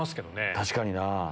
確かにな。